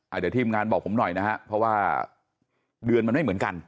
เดี๋ยวทีมงานบอกผมหน่อยนะฮะเพราะว่าเดือนมันไม่เหมือนกัน